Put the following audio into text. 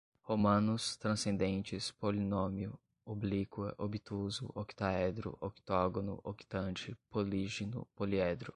romanos, transcendentes, polinômio, oblíqua, obtuso, octaedro, octógono, octante, polígino, poliedro